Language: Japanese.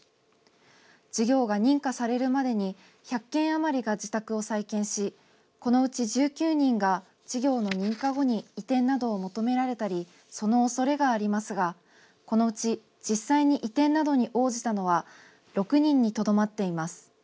事業が認可されるまでに１００軒余りが自宅を再建し、このうち１９人が、事業の認可後に移転などを求められたり、そのおそれがありますが、このうち実際に移転などに応じたのは６人にとどまっています。